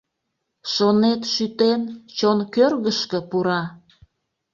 Шонет, шӱтен, чон кӧргышкӧ пура?